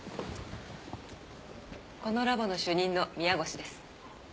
このラボの主任の宮越です。